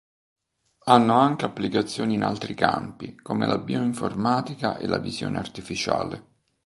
Hanno anche applicazioni in altri campi come la bioinformatica e la visione artificiale.